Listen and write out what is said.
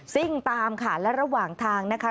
วิ่งตามค่ะและระหว่างทางนะคะ